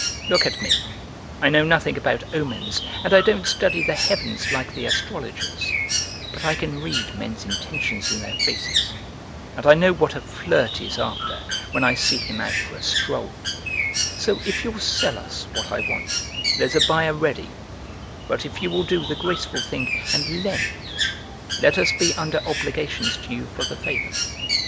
Look at me, I know nothing about omens and I don't study the heavens like the astrologers, but I can read men's intentions in their faces and I know what a flirt is after when I see him out for a stroll; so if you'll sell us what I want there's a buyer ready, but if you will do the graceful thing and lend, let us be under obligations to you for the favor.